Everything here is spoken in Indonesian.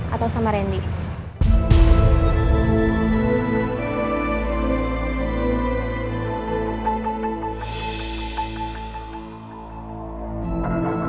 atau sama rendy